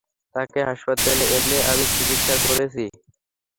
তাকে হাসপাতালে এনে আমি চিকিৎসা করেছি।